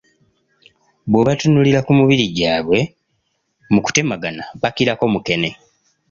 Bw‘obatunuulira ku mubiri gyabwe mukutemagana bakirako mukene.